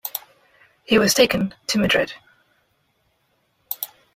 He was taken to Madrid.